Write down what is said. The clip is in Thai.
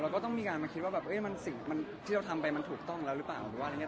เราก็ต้องมีการมาคิดว่าแบบมันสิ่งที่เราทำไปมันถูกต้องแล้วหรือเปล่า